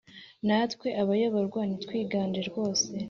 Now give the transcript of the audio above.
natwe abayoborwa ntitwigande rwose,